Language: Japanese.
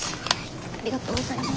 ありがとうございます。